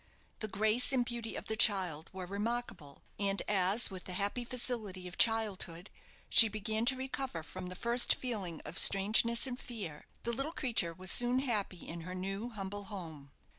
The grace and beauty of the child were remarkable; and as, with the happy facility of childhood, she began to recover from the first feeling of strangeness and fear, the little creature was soon happy in her new, humble home.